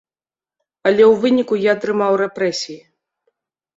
Але ў выніку я атрымаў рэпрэсіі.